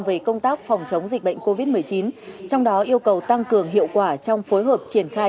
về công tác phòng chống dịch bệnh covid một mươi chín trong đó yêu cầu tăng cường hiệu quả trong phối hợp triển khai